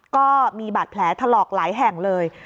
ก็มีบาดแผลถลอกหลายแห่งเลย